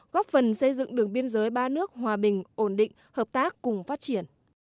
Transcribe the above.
góp phần xây dựng đường biên giới ba nước hòa bình ổn định hợp tác cùng phát triển